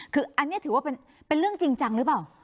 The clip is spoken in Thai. คืออันนี้ถือว่าเป็นเรื่องจริงจังหรือเปล่า